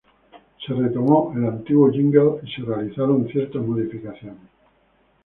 Se retomó el antiguo "jingle" y se realizaron ciertas modificaciones.